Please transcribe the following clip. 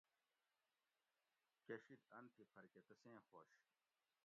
کشید ان تھی پھر کہ تسیں خوش